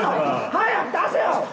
早く出せよ！